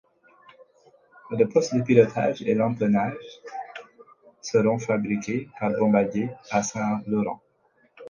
Le poste de pilotage et l'empennage seront fabriqués par Bombardier à Saint-Laurent.